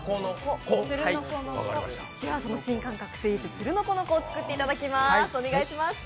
では、新感覚スイーツ、つるのこのこを作っていただきます。